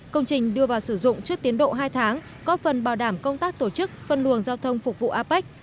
công trình đưa vào sử dụng trước tiến độ hai tháng góp phần bảo đảm công tác tổ chức phân luồng giao thông phục vụ apec